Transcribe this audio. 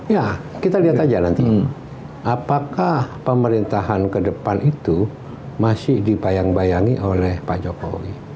ya kita lihat aja nanti apakah pemerintahan ke depan itu masih dibayang bayangi oleh pak jokowi